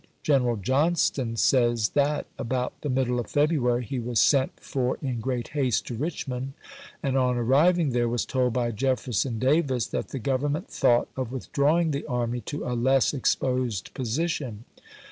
General Johnston says that about the middle of February he was sent for in great haste to Eichmond, and on arriving there was told by Jefferson Davis that the Government Johnston, thought of withdrawing the army to " a less exposed of^Stary position."